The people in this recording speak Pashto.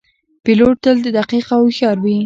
پیلوټ تل دقیق او هوښیار وي.